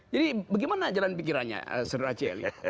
jadi bagaimana jalan pikirannya ser raci ali